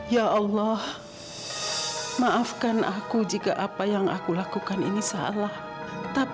ya allah maafkan aku jika apa yang aku lakukan itu menyebabkan keputusanmu